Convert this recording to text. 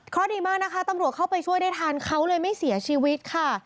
เพราะดีมากนะคะตำรวจเข้าไปช่วยได้ทันเขาเลยไม่เสียชีวิตค่ะ